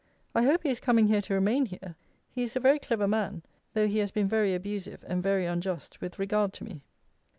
I hope he is coming here to remain here. He is a very clever man, though he has been very abusive and very unjust with regard to me.